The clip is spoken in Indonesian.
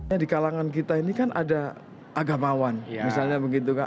ya di kalangan kita ini kan ada agamawan misalnya begitu kan